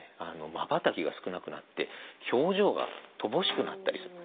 まばたきが少なくなって表情が乏しくなったりする。